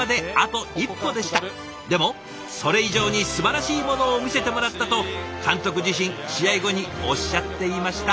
でも「それ以上にすばらしいものを見せてもらった」と監督自身試合後におっしゃっていました。